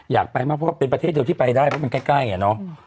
อยากไปมากเพราะว่าเป็นประเทศเดียวที่ไปได้เพราะมันใกล้อะเนาะ